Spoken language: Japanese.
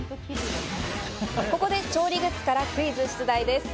ここで調理グッズからクイズ出題です。